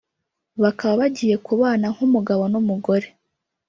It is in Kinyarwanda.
bakaba bagiye kubana nk'umugabo n'umugore